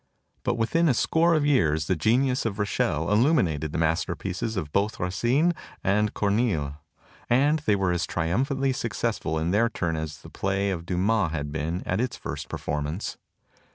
But within a score of years the genius of Rachel illuminated the masterpieces of both Racine and Corneille; and they were as triumphantly suc cessful in their turn as the play of Dumas had been at its first performance.